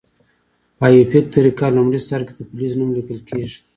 په آیوپک طریقه لومړي سر کې د فلز نوم لیکل کیږي.